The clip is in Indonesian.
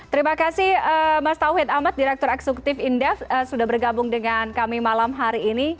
terima kasih mas tauhid ahmad direktur eksekutif indef sudah bergabung dengan kami malam hari ini